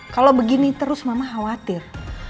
kalau begini terus mama khawatir